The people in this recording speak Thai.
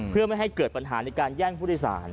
เพื่อไม่ให้เกิดปัญหาในการแย่งผู้โดยสาร